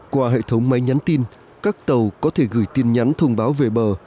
qua hệ thống máy nhắn tin các tàu có thể gửi tin nhắn thông báo về bờ